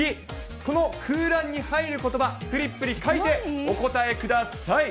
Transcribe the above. この空欄に入ることば、フリップに書いてお答えください。